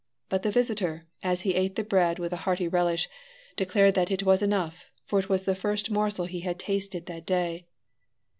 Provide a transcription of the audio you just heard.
But the visitor, as he ate the bread with a hearty relish, declared that it was enough, for it was the first morsel he had tasted that day.